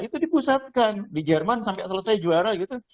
itu dipusatkan di jerman sampai selesai juara gitu